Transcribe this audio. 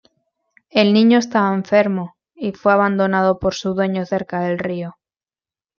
El niño estaba enfermo, y fue abandonado por su dueño cerca del río.